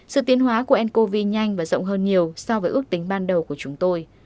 sự tiến hóa của ncov nhanh và rộng hơn nhiều so với ước tính ban đầu của chúng tôi